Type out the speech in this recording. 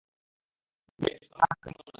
বেশ, - তোমার মা কেমন আছে?